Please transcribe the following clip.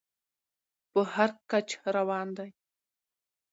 په هر کچ روان دى.